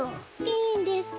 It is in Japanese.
いいんですか？